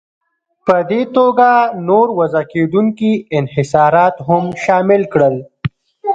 په دې توګه نور وضع کېدونکي انحصارات هم شامل کړل.